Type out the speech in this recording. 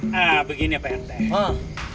nah begini pak enteng